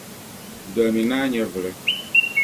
Dolimi naa nyɛvili.